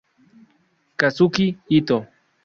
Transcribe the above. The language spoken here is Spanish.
Kazuki Ito